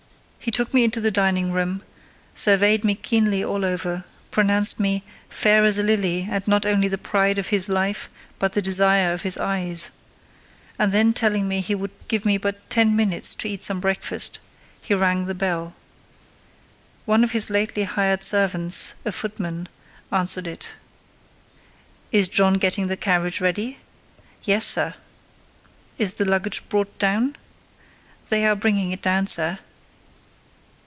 He took me into the dining room, surveyed me keenly all over, pronounced me "fair as a lily, and not only the pride of his life, but the desire of his eyes," and then telling me he would give me but ten minutes to eat some breakfast, he rang the bell. One of his lately hired servants, a footman, answered it. "Is John getting the carriage ready?" "Yes, sir." "Is the luggage brought down?" "They are bringing it down, sir."